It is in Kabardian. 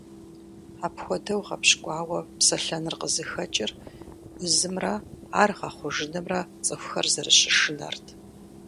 Апхуэдэу гъэпщкӏуауэ псэлъэныр къызыхэкӏыр узымрэ ар гъэхъужынымрэ цӏыхухэр зэрыщышынэрт.